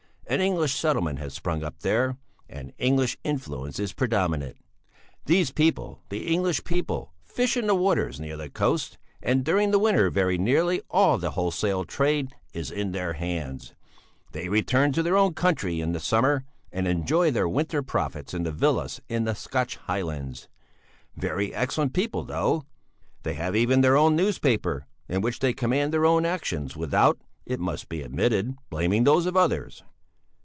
An English settlement has sprung up there and English influence is predominant. These people, the English people, fish in the waters near the coast, and during the winter very nearly all the wholesale trade is in their hands; they return to their own country in the summer and enjoy their winter profits in their villas in the Scotch Highlands. Very excellent people, though! They have even their own newspaper, in which they commend their own actions, without, it must be admitted, blaming those of others.